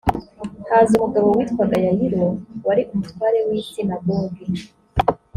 haza umugabo witwaga yayiro wari umutware w isinagogi